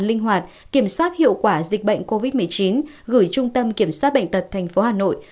linh hoạt kiểm soát hiệu quả dịch bệnh covid một mươi chín gửi trung tâm kiểm soát bệnh tật tp hà nội